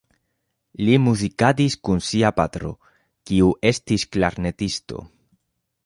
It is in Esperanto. Li muzikadis kun sia patro, kiu estis klarnetisto.